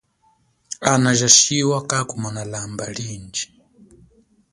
Ana ashiwa kakumona lamba lindji.